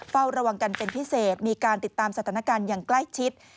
เฝ้าระวังกันเป็นพิเศษมีการติดตามสถานการณ์อย่างใกล้ชิด